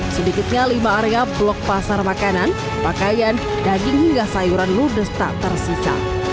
sedikitnya lima area blok pasar makanan pakaian daging hingga sayuran ludes tak tersisa